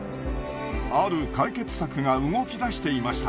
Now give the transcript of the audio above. ある解決策が動き出していました。